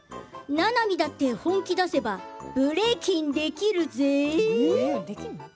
ななみだって本気出せばブレイキンできるぜ。